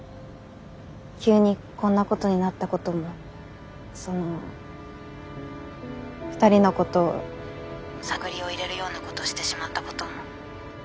急にこんなことになったこともその二人のことを探りを入れるようなことしてしまったことも。